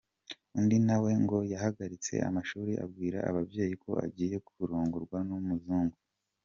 Undi na we ngo yahagaritse amashuri abwira ababyeyi ko agiye kurongorwa n’umuzungu.